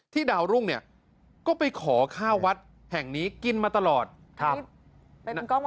ดาวรุ่งเนี่ยก็ไปขอข้าววัดแห่งนี้กินมาตลอดครับ